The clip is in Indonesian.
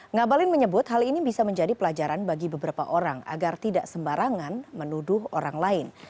ngabalin menyebut hal ini bisa menjadi pelajaran bagi beberapa orang agar tidak sembarangan menuduh orang lain